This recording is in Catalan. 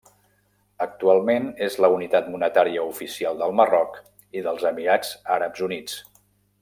Actualment és la unitat monetària oficial del Marroc i dels Emirats Àrabs Units.